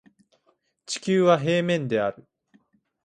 地球は平面である